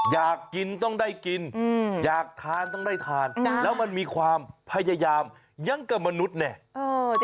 อยากกินต้องได้กินอยากทานต้องได้ทานแล้วมันมีความพยายามยังกับมนุษย์เนี่ย